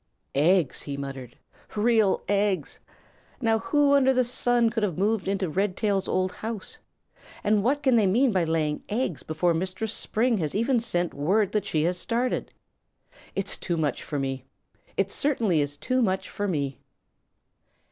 "Eggs!" he muttered. "Real eggs! Now who under the sun can have moved into Redtail's old house? And what can they mean by laying eggs before Mistress Spring has even sent word that she has started? It's too much for me. It certainly is too much for me."